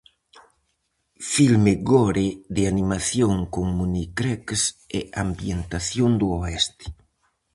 Filme gore de animación con monicreques e ambientación do Oeste.